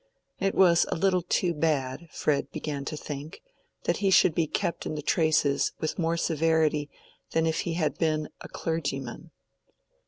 It was a little too bad, Fred began to think, that he should be kept in the traces with more severity than if he had been a clergyman.